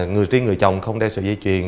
người riêng người chồng không đeo sợi dây chuyền